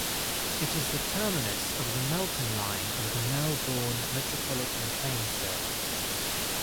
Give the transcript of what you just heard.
It is the terminus of the Melton line of the Melbourne metropolitan train service.